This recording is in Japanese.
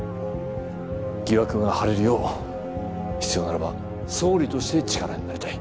疑惑が晴れるよう必要ならば総理として力になりたい。